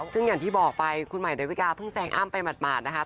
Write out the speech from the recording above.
ซึ่งอย่างที่บอกไปคุณใหม่ดาวิกาเพิ่งแซงอ้ำไปหมาดนะคะ